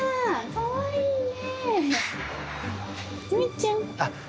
かわいいね。